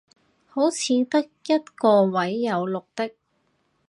好似得一個位有綠的